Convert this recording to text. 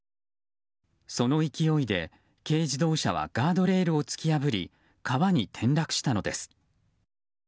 その勢いで軽自動車はガードレールを突き破り川に転落したのです。